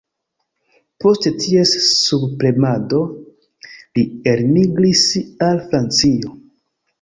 Post ties subpremado, li elmigris al Francio.